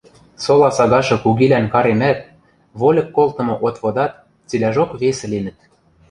сола сагашы кугилӓн каремӓт, вольык колтымы отводат – цилӓжок весӹ линӹт.